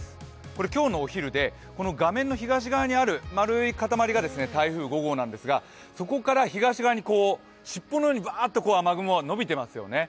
これ今日のお昼で、画面の東側にある丸い塊が台風５号なんですがそこから東側に尻尾のように雨雲が延びていますよね。